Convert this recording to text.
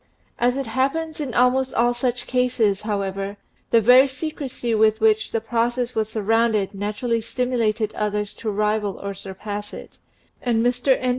As happens in almost all such cases, however, the very secrecy with which the process was surrounded natu rally stimulated others to rival or surpass it, and Mr. N.